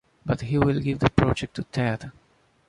But he will give the project to Ted.